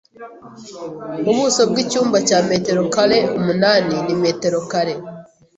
Ubuso bwicyumba cya metero kare umunani ni metero kare